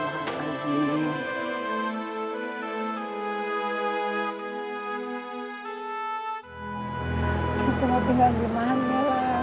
kita mau tinggal dimana